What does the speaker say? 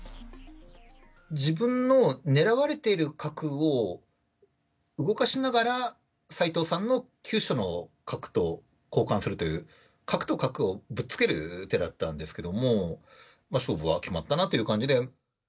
自分の狙われている角を動かしながら、斎藤さんの急所の角と交換するという、角と角をぶつける手だったんですけども、勝負は決まったなという感じで。